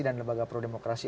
dan lembaga prodemokrasi